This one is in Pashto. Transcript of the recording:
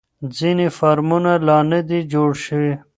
ځینې فارمونه لا نه دي جوړ شوي.